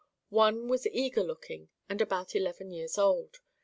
One was eager looking and about eleven years old.